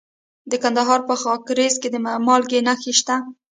د کندهار په خاکریز کې د مالګې نښې شته.